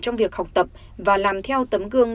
trong việc học tập và làm theo tấm gương